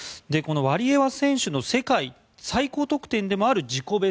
このワリエワ選手の世界最高得点でもある自己